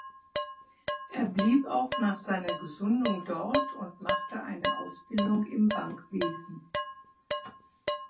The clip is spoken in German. Er blieb auch nach seiner Gesundung dort und machte eine Ausbildung im Bankwesen.